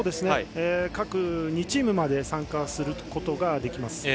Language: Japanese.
各２チームまで参加することができます。